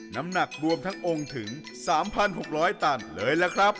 น้ำหนักรวมทั้งองค์ถึง๓๖๐๐ตันเลยล่ะครับ